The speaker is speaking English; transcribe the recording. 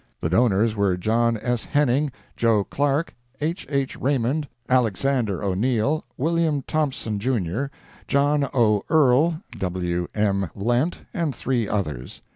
The donors were John S. Henning, Joe Clark, H. H. Raymond, Alex. O'Neil, William Thompson, Jr., John 0. Earl, W. M. Lent and three others.